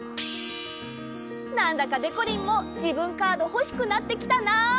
なんだかでこりんも自分カードほしくなってきたな！